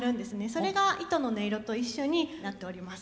それが糸の音色と一緒に鳴っております。